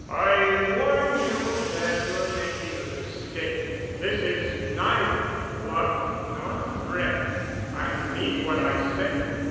"I warn you that you're making a mistake. This is neither a bluff nor a threat. I mean what I say.